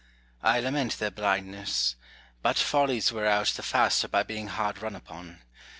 I lament their blindness ; but follies Avear out the faster by being hard run upon.